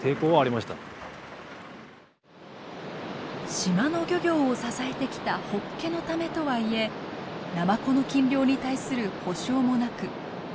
島の漁業を支えてきたホッケのためとはいえナマコの禁漁に対する補償もなく話し合いはまとまりません。